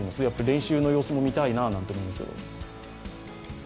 練習の様子も見たいななんて思いますけど。